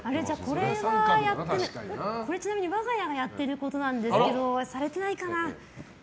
これは、我が家がやっていることなんですけどされてないかな。